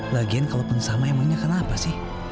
lagian kalau pun sama emangnya kenapa sih